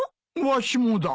わしもだ。